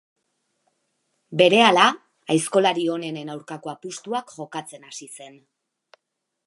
Berehala aizkolari onenen aurkako apustuak jokatzen hasi zen.